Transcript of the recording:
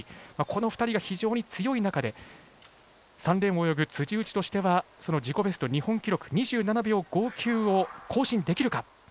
この２人が非常に強い中で３レーンを泳ぐ辻内としては自己ベスト、日本記録２７秒５９を更新できるか。